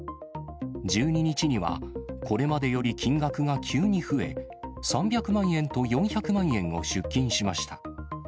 １２日には、これまでより金額が急に増え、３００万円と４００万円を出金しました。